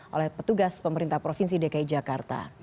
oleh petugas pemerintah provinsi dki jakarta